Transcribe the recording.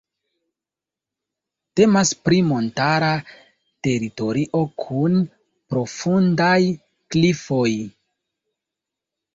Temas pri montara teritorio kun profundaj klifoj.